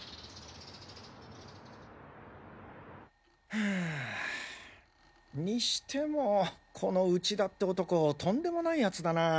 ふぅにしてもこの内田って男とんでもない奴だな。